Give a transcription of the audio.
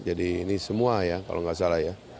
jadi ini semua ya kalau tidak salah ya